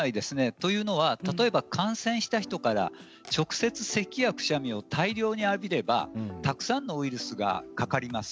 というのは例えば感染した人から直接せきや、くしゃみを大量に浴びればたくさんのウイルスがかかります。